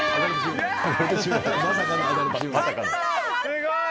すごい。